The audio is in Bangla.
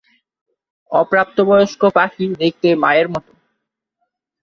অপ্রাপ্তবয়স্ক পাখি দেখতে মায়ের মতো।